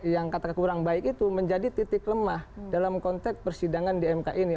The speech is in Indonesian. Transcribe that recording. yang kata kurang baik itu menjadi titik lemah dalam konteks persidangan di mk ini